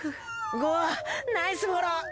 ゴウナイスフォロー。